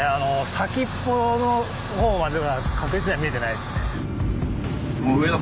先っぽのほうまでは確実には見えてないですね。